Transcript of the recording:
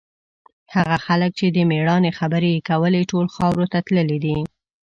هغه خلک چې د مېړانې خبرې یې کولې، ټول خاورو ته تللي دي.